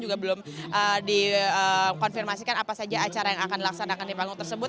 juga belum dikonfirmasikan apa saja acara yang akan dilaksanakan di panggung tersebut